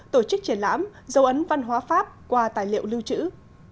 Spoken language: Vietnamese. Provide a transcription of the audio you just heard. tổ chức triển lãm dấu ấn văn hóa pháp qua tài liệu lưu trữ